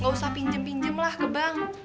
gak usah pinjam pinjam lah ke bank